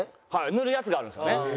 塗るやつがあるんですよね。